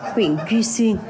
huyện duy xuyên